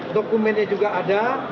dokumennya juga ada